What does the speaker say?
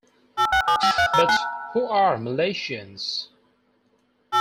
But who are Malaysians?